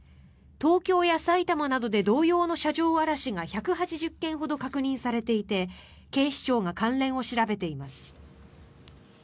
東京や埼玉などで同様の車上荒らしが１８０件ほど確認されていて警視庁が関連を調べています。